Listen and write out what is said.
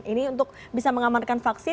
ini untuk bisa mengamankan vaksin